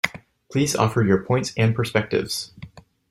Please offer your points and perspectives.